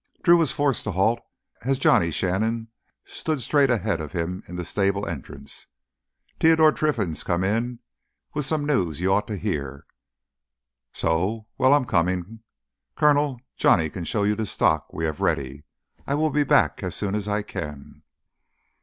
Drew was forced to halt as Johnny Shannon stood straight ahead of him in the stable entrance. "Teodoro Trinfan's come in with some news you oughta hear." "So? Well. I'm coming. Coronel, Johnny can show you the stock we have ready. I will be back as soon as I can."